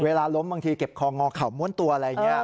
เวลาล้มบางทีเก็บคองอเข่าม้วนตัวอะไรอย่างนี้